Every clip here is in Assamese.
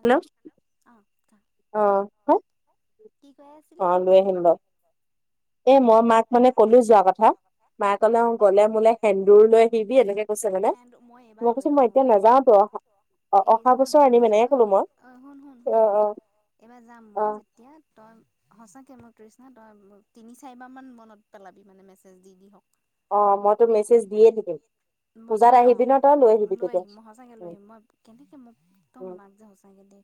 হেল্ল', অ', কি কৰি আছ অ', লৈ আহিম বাৰু। এ, মই মাক মানে ক'লো যোৱাৰ কথা। মায়ে ক'লে অ', গ'লে মোলে সেন্দুৰ লৈ আহিবি। এনেকে কৈছে মানে মই কৈছোঁ মই এতিয়া নাযাওঁতো অহা অ', অহা বছৰ আনিম এনেকে কলো মই অ', শুন-শুন-শুন এইবাৰ যাম মই যে এতিয়া তই সঁচাকে মই তৃষ্ণা তই তিনি তিনি চাৰিবাৰ মান মনত পেলাবি মানে মেছেজ দি দি হওক মই লৈ আহ লৈ আহিম মই সঁচাকে লৈ আহিম মই কেনেকে মোক একদম মাক যে সঁচাকে দেই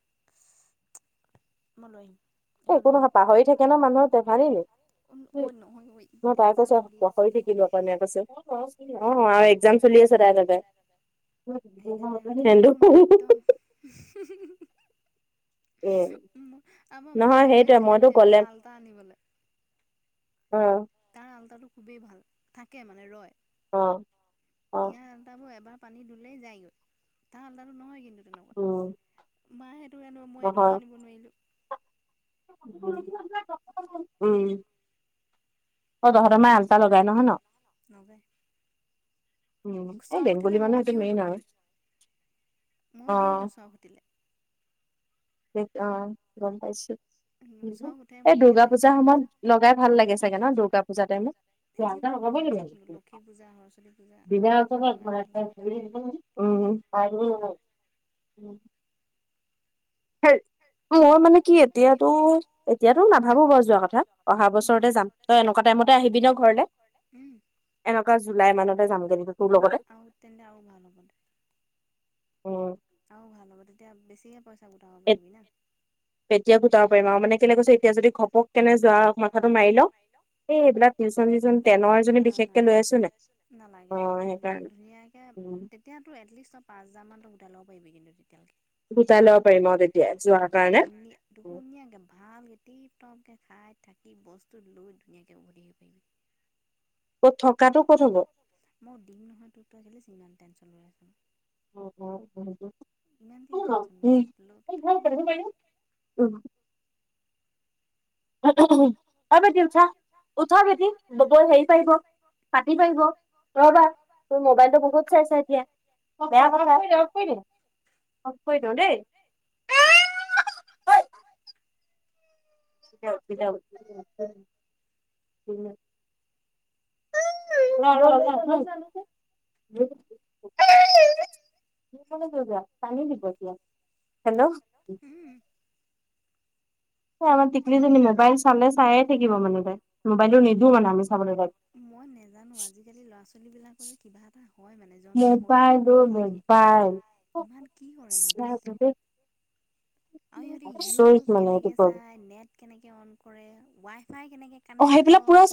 মই লৈ আহিম। এইবাৰ লৈ আহিম অ', নহয় নহয় এক্সাম চলি আছিলে। [unintelligible] একজাম চলি আছে তাই তে [inaudible] উম নহয় সেইটোৱে মইতো ক'লে অ', তাৰ আলতাটো খুবেই ভাল থাকে মানে ৰয় ইয়াৰ এবাৰ পানী ধুলেই যায়গৈ তাৰ আলতাটো নহয় কিন্তু তেনেকুৱা মাহে সেইটো আনো মই সেইটোকো আনিব নোৱাৰিলোঁ। উম অ', ধৰমই হালতাল লগাগ নহ নচ নহজায় চক উঠিলে ময়ো দিওঁ তুবৰি ময়ো দিওঁ চৰক সুধিলে। অ', গম পাইছো। এই দূৰ্গা পূজা সময়ত লগাই ভাল লাগে চাগে ন দুৰ্গা পূজা টাইমত [unintelligible] উম [inaudible] মই মানে কি এতিয়াতো এতিয়াতো নাভাবো বাৰ যোৱা কথা অহা বছৰতে যাম। ত, এনেকুৱা টাইমতে আহিবি ন ঘৰলে এনেকা জ উম, তেনে আৰু ভাল হ'ব দে আৰু ভাল হ'ব তেতিয়া বেছিকে পইচা গোটাব পাৰিবি না তেতিয়া গোটাব পাৰিম আৰু মানে কেনেকৈছে এতিয়া যদি ঘপক কেনে যোৱা মথাটো মাৰি লও। এই এইবিলাক টিউচন চিউচন টেনৰজনী বিশেষকৈ লৈ আছো ন অ', সেইকাৰণে তেতিাতো এটলিষ্ট পাঁচ হাজাৰানটক উঠাই ল' পাৰিবি কিন্ত তেতিয়ালৈকে [unintelligible] ধুনীয়াকৈ ভালকৈ টিপটমকৈ খাই থাকি বস্তু লৈ ধুনীয়াকৈ উভতি আহিব পাৰিবি। মই দিম নহয় তোক তই কেলৈ টেনশ্যন লৈ আছ। ইমান কি টেনচন টেনচন লগ থাকিম নহয়। [inaudible] অ', বেটি উঠা উঠা বেটি হেৰি পাৰিব। পাটি পাৰিব ৰহবা তোৰ মোবাইলটো বহুত চাইছা এতিয়া বেয়া কৰা কৰি অফ কৰি দি দেই [inaudible] [inaudible] [unintelligible] হেল্ল', উম এই আমাৰ টিকলিজনী মোবাইল চালে চাইয়ে থাকিব মানে তাই, মোবাইলটো নিদিওঁ মানে আমি চাবলৈ তাইক। মই নেজানো আজিকালি ল'ৰা ছোৱালীবিলাকৰ যে কিবা এটা হয় মানে, জন্ম হৈয়ে সিহঁতক ফোন লাগে। ইমান কি কৰে সিহঁতে? আৰু সিহঁতি ইউটিউব কেনেকে চাই, নেট কেনেকে অন কৰে, ৱাইফাই কেনেকে কানেক্ট হয়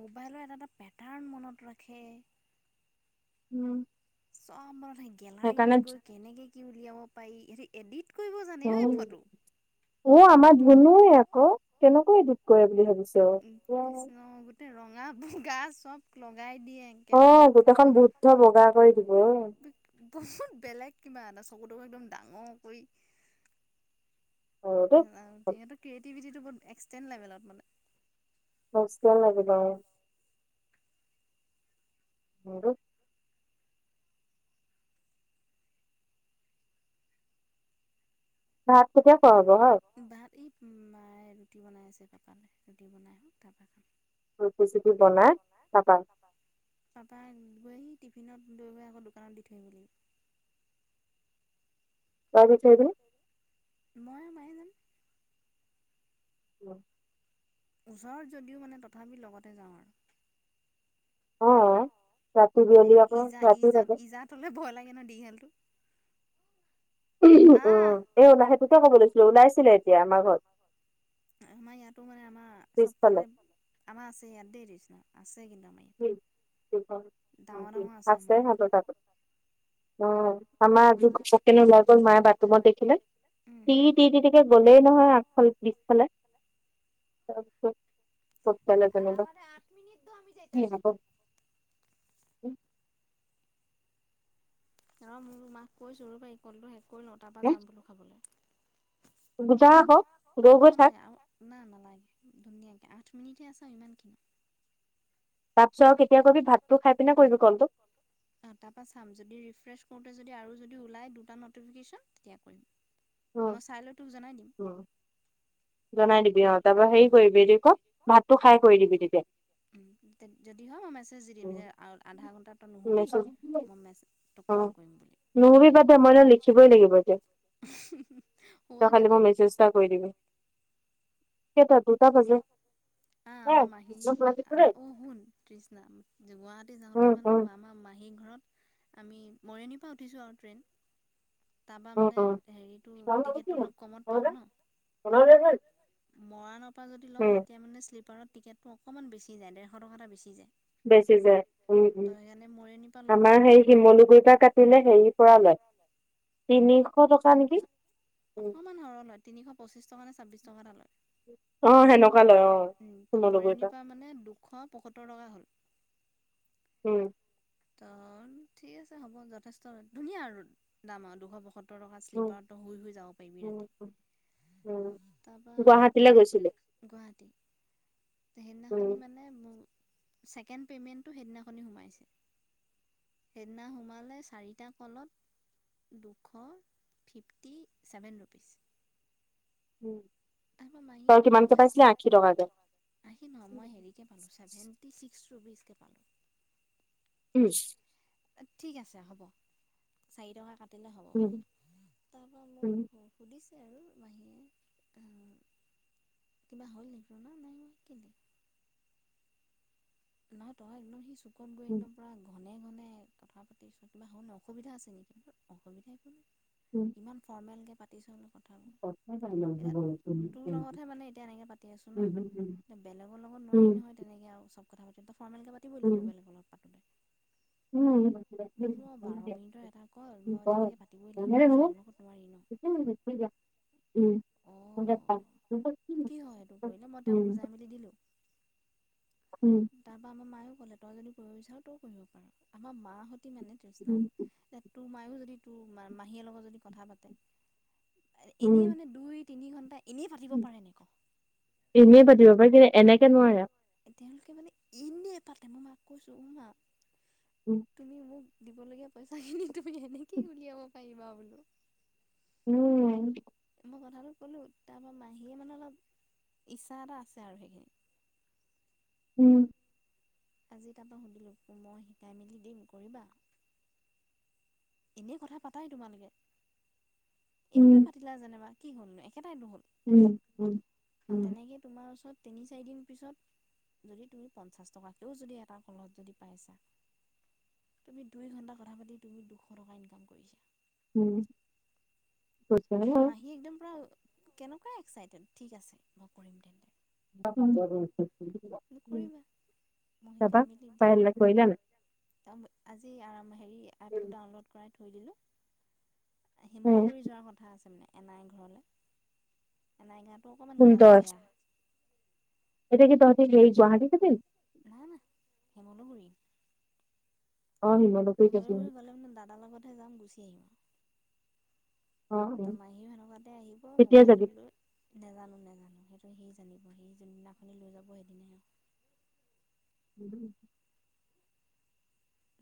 মোবাইলৰ এটা এটা পেটাৰ্ণ মনত ৰাখে [inaudible] চব মানে, গেলাৰীটোত গৈ কেনেকৈ কি উলিয়াব পাৰি, সিহঁতে এডিট উম', উ আমাৰ ধুনুৱে আকৌ, কেনেকুৱা এডিত কৰে বুলি ভাবিছা। উম, কৃষ্ণ, গোটেই ৰঙা বগা চ'ব লগাই দিয়ে অহ, গোটেইখন বুদ্ধ বগা কৰি দিব অহ। বহুত বেলেগ কিবা এটা চকু তকু একদম ডাঙৰ কৰি নাজানো দেই, সিহঁতৰ ক্ৰিয়েটিভিটো বহুত এক্সটেণ্ড লেভেলত মানে। হোষ্টেল লাগিব আৰু। [unintelligible] ভাত কেতিয়া খোৱা হ'ব? ভাত এই মায়ে ৰুটি বনাই আছে পাপালৈ, ৰুটি বনাই হওঁক তাৰপৰা খাম। বনাই খাবা। পাপাই গৈ সেই টিফিনত লৈ গৈ আকৌ দোকানত দি থৈ আহিব লাগিব। [unintelligible] মইয়ে -মায়ে যাম। উম। [inaudible] ওচৰত যদিও মানে তথাপি লগতে যাওঁ আৰু। অ', ৰাতি বিয়লি আকৌ, ৰাতি তাতে তললে ভয় লাগে নে দীঘলটো। উম উম, এই সেইটোকে ক'ব লৈছিলো, ওলাই আহিছিলে এতিয়া আমাৰ ঘৰত। আমাৰ ইয়াতো মানে আমাৰ চবফালে, আমাৰ আছে ই ইয়াত দেই তৃষ্ণা, আছে কিন্তু আমাৰ ইয়াত। [unintelligible] আছে কিন্তু তাতো অহ। আমাৰ আজি ঘপককেনে ওলাই গ'ল মায়ে বাথৰুমত দেখিলে, টি টি টিকে গ'লেই নহয় আগফাল পিছ ফালে, তাৰপিছত পঠিয়ালে যেনিবা। মিনিট দ, আমি যাইতাছি। অ', মই মোৰ মাক কৈছোঁ, ৰ'বা এই কলটো শেষ কৰি লওঁ, তাৰপৰা যাম বোলো খাবলৈ। বুজা আকৌ। নহয় নহয়, আৰু না-নালাগে ধুনীয়াকে, আঠ মিনিটহে আছে আৰু ইমানখিনি তাৰ পিছত কেতিয়া কৰিবি, ভাতটো খাই পিনে কৰিবি কলটো? অ', তাৰপৰা চাম, যদি ৰিফ্ৰেছ কৰোঁতে যদি আৰু যদি ওলাই দুটা নটিফিকেশ্যন, তেতিয়া কৰিম। মই চাই লৈ তোক জনাই দিম। জনাই দিবি অহ, তাৰপৰা হেৰি কৰিবি, এইটো কি বুলি কয়, ভাতটো খাই কৰি দিবি তেতিয়া। যদি হয় মই মেছেজ দি দিম যে আধাঘণ্টা তই নুশুবি, মই মেছেজ তোক কল কৰিম বুলি। নুশুবি বাদ দে, মই এতিয়া লিখিবই লাগিব এতিয়া। [unintelligible] তই খালি মোক মেছেজ এটা কৰি দিবি। দুটা গৈছে। অহ, আমাৰ মাহী আমাৰ, অহ, শুন তৃষ্ণা, গুৱাহাটী যাওঁতে মানে আমাৰ মাহীৰ ঘৰত আমি মৰণিংৰ পৰা উঠিছোঁ আৰু ট্ৰেইন। তাৰপৰা মানে হেৰিটো টিকেটো অলপ কমত পাম ন'। [unintelligible] মৰাণৰ পৰা যদি লওঁ, তেতিয়া মানে শ্লীপাৰত টিকেটটো অকণমান বেছি যায়, ডেৰশ টকা এটা বেছি যায়। বেছি যোয় উম, উম। আমাৰ সেই শিমলুগুৰি পৰা কাটিলে হেৰিৰ পৰা লয়। তিনিশ টকা অকণমান সৰহ লয়, তিনিশ পঁচিশ টকা নে ছাব্বিছ টকা এটা লয়। অহ, হেনেকুৱা লয়। অহ, মৰিয়নিৰ পৰা মানে দুশ পয়সত্তৰ টকা হ'ল। উম। ত' ঠিক আছে হ'ব যথেষ্ট ধুনীয়া আৰু দাম আৰু দুশ পয়সত্তৰ পসত্তৰ টকা শ্লিপৰত ত শুই-শুই যাব পাৰিবি ৰাতি। তাৰপা গুৱাহাটী। সেইদিনাখনি মানে মোৰ, ছেকেণ্ড পে'মেণ্টো সেইদিনাখনি সোমাইছে। সেইদিনা সোমালে চাৰিটা কলত দুশ ফিফটি চছেভেন ৰুপিছ। আমা মাহীয়ে মোক কৈছে আসি নহয় মই হেৰিকৈ পালোঁ, ছেভেণ্টি ছিক্স ৰুপিজকৈ পালোঁ। উম। ঠিক আছে হ'ব, চাৰি টকা কাট তেনেহ'ব তাৰপৰা মোক সুধিছে আৰু মাহীয়ে, উম কিবা হ'ল নেকি? না নাই ম কেলে? ন ত একদম সি চুকন গৈ একদম পুৰা ঘনে ঘনে কথা পাতিছো, কিবা হ'ল অসুবিধা আছে নেকি কি? অসুবিধাই একো নাই। উম। ইমান ফৰ্মেলকৈ পাতিছো বুলো কথাবোৰ। [unintelligible] তোৰ লগতহে মানে এতিয়া এনেকৈ পাতি আছোঁ ন, এ বেলেগৰ লগত নোৱাৰি নহয় তেনেকৈ আৰু চব কথা পাতি, ত ফৰ্মেলকৈ পাতিবই লাগিব বেলেগ অলপ পাতোতে। উম [unintelligible] [unintelligible] উম। তাৰপৰা আমাৰ মায়েও ক'লে, তই যদি কৰিব বিচাৰ তই কৰিব পাৰ, আমাৰ মাহঁতে মানে তৃষ্ণা তোৰ মায়ো যদি তোৰ মাহীয়ে লগত যদি কথা পাতে, এনেই মানে দুই তিনি ঘণ্টা এনেই পাতিব পাৰে নে ক? তেওঁলোকে মানে ইনে পাতে, মই মাক কৈছোঁ অ' মা তুমি মোক দিবলগীয়া পইচা খিনি তুমি এনেকে উলিয়াব পাৰিবা বোলো। উম। মই কথাটো ক'লোঁ, তাৰপৰা মাহীয়ে মানে অলপ ইচ্ছা এটা আছে আৰু সেইখিনি। উম। আজি তাৰপৰা সুধিলোঁ, মই শিকাই মেলি দিম কৰিবা? এনেই কথা পাতাই তোমালোকে, এইটোতে পাতিলা যেনবা কি হ'লনো একেটাইটো হ'ল। উম, উম, উম। তোমাৰ ওচৰত তিনি চাৰিদিন পিছত যদি তুমি পঞ্চাশ টকাকেও যদি এটা কলত যদি পাইছা। তুমি দুই ঘণ্টা কথা পাতি তুমি দুশ টকা ইনকাম কৰিছা। মাহী একদম পৰা কেনেকুৱা এক্সাইটেড, ঠিক আছে মই কৰিম তেন্তে। [unintelligible] বুলো কৰিবা, মই শিকাই মেলি দিম। কৰিলা নাই? আজি আৰাম হেৰি, এপটো ডাউনলোড কৰাই থৈ দিলোঁ। শিমলুগুৰি যোৱাৰ কথা আছে মানে এনাই ঘৰলৈ। এনাই গাটো অকমান গাটো বেয়া। এতিয়া কি তহতি সেই গুৱাহাটী [unintelligible] নহয় নহয় শিমুলো গুৰিত। অ শিমুলো শিমুলু গুৰিত গ'লে মানে, দাদাৰ লগতহে যাম গুচি আহিম। টো মাহীও সেনেকুৱাতে আহিব মোবাইলটো লৈ নেজানো নেজানো সেইটো সি জানিব, সি যোনদিনাখনি লৈ যাব, সেইদিনাহে [unintelligible]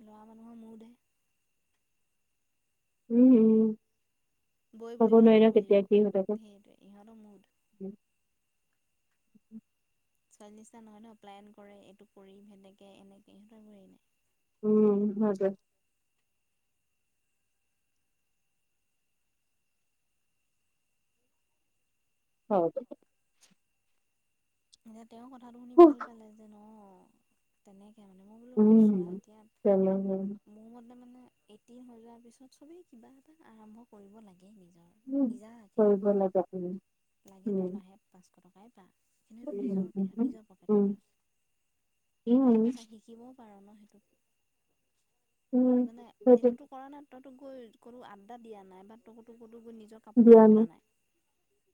ল'ৰা মানুহৰ [unintelligible] উম, উম। বৈ বুলি ক'লে, উঠিবই লাগিব। সেইটোৱে, ইহঁতৰ। [unintelligible] [inaudible] ছোৱালী নিচিনা নহয়, ন। প্লেইন কৰে, এইটো কৰি, হেনেকে এনেকৈ, ইহঁতৰ। [unintelligible] উম। [unintelligible] [unintelligible] তেওঁ কথাটো শুনি ভাল পালে যে ন' তেনেকেই মানে মই বোলো অ' চোৱা এতিয়া মোৰ মতে মানে এইটিন হৈ যোৱাৰ পিছত সবেই কিবা এটা আৰম্ভ কৰিব লাগে নিজৰ। উম, কৰিব লাগে। [unintelligible] লাগে তই মাহে পাঁচশ টকাই পা। এনেটো নিজৰ, নিজৰ পকেট খৰচ, তই কিবা এটা শিকিব পাৰ ন' সেইটো, মানে এইটোতো কৰা নাই, [unintelligible] গৈ, কোনো আড্ডা দিয়া নাই। [unintelligible] গৈ, নিজৰ কাপোৰ কানি খোলা নাই।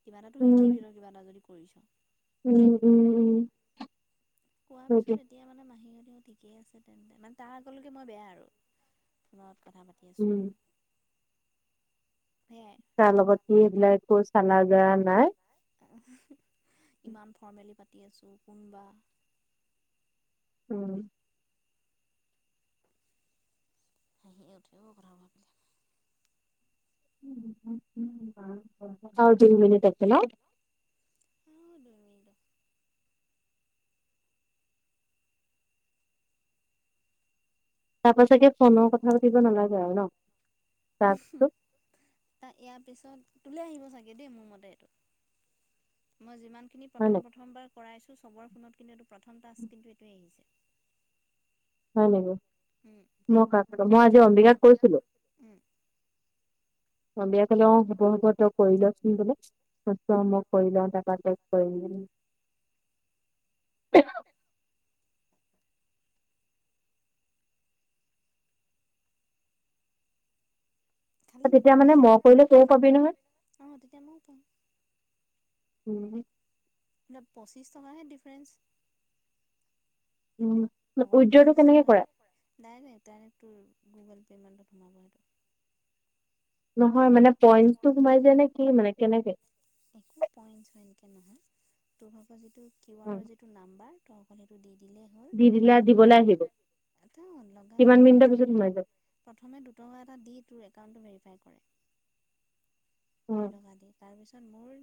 কিবা এটাতো শিকিবি, [unintelligible] কিবা এটা, যদি কৰিছ। উম, উম, উম। কোৱাৰ পিছত এতিয়া, মানে, মাহীহঁতেও ঠিকেই আছে। তেন্তে, মানে, তাৰ আগলৈকে, মই বেয়া, আৰু ফোনত কথা পা [unintelligible] আছো, সেয়াই। তাৰ লগত কি এইবিলাক, একো চালা জাৰা নাই। ইমান ফৰ্মেলি পাতি আছোঁ, কোনবা উম। হাঁহি উঠে অ' কথাবোৰ ভাবিলে। [unintelligible] মিনিট আছে ন। [unintelligible] অ', দুই মিনিট। তাৰপৰা চাগে, ফোনৰ কথা পাতিব নালাগে আৰু, ন। [unintelligible] [unintelligible] ইয়াৰ পিছত, তোলে আহিব চাগে দেই, মোৰ মতে। মই যিমান খিনি, প্ৰথম প্ৰথমবাৰ কৰাইছোঁ, সবৰ ফোনত কিন্তু, এইটো প্ৰথম টাস্ক কিন্তু এইটোৱেই আহিছে। হয় নেকি, মই কাক ক'ম? মই আজি অম্বিকাক কৈছিলো। সন্ধিয়া [unintelligible] [unintelligible] [unintelligible] [unintelligible] মই কৰিলে, তেতিয়া মইও পাম। [unintelligible] উম। পঁচিছ টকাহে ডিফাৰেন্ঞ্চ। অকণ, পঁচিছ টকা নাই, নাই, ডাইৰেক্ট তোৰ গুগল পেমেণ্টত সোমাব সেইটো। নহয়, মানে, পইন্টটো সোমাই যায় নে কি, মানে কেনেকে? একো পইন্ট ছইন্ট কে নহয়, তোৰ ভাগৰ যিটো কিউ আৰৰ, যিটো নাম্বাৰ তই, অকল সেইটো দি দিলেই হ'ল। [unintelligible] অ' লগালগ, প্ৰথম প্ৰথমে, দুটকা এটা দি তোৰ একাউণ্টটো ভেৰিফাই কৰে। দুই টকা দি, তাৰপিছত, মোৰ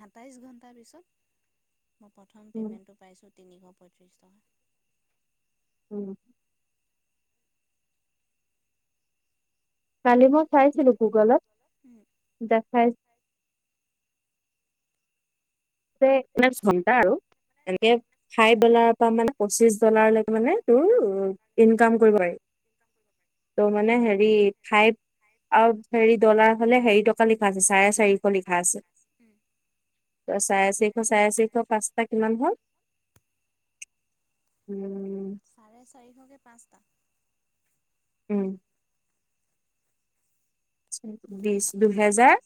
সাতাইছ ঘণ্টাৰ পিছত মই প্ৰথম পেমেণ্টটো পাইছোঁ তিনিশ পঁয়ত্ৰিছ টকা। উম। কালি মই চাইছিলো গুগলত, দেখাই এক ণ্টা আৰু [unintelligible] এনেকে ফাই ডলাৰৰ পৰা মানে পঁচিশ ডলাৰলৈকে মানে তোৰ ইনকাম কৰিব পাৰি। া কৰিবব পাৰ [unintelligible] ত' মানে হেৰি ফা আৰু হেৰি ডলাৰ হ'লে হেৰি টকা লিখা আছে, চাৰে চাৰিশ লিখা আছে। উম। চাৰে চাৰিশ, চাৰে চাৰিশ, পাঁচটা কিমান হ'ল? উম। চাৰে চাৰিশকে পাঁচটা। উম। বিছ, দুহেজাৰ